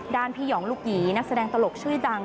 พี่หยองลูกหยีนักแสดงตลกชื่อดัง